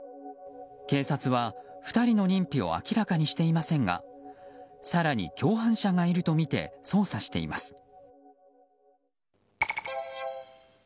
警察は２人の認否を明らかにしていませんが更に共犯者がいるとみて捜査しています。